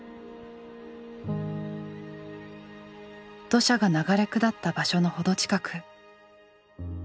土砂が流れ下った場所のほど近く。